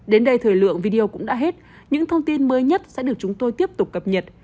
đến đây thời lượng video cũng đã hết những thông tin mới nhất sẽ được chúng tôi tiếp tục cập nhật